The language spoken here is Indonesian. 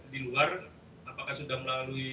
di luar apakah sudah melalui